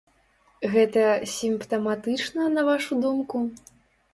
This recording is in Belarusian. Гэта сімптаматычна, на вашу думку?